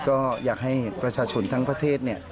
ก็อยากให้ประชาชนทั้งประเทศ